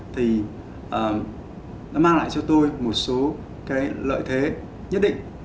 thì nó mang lại cho tôi một số cái lợi thế nhất định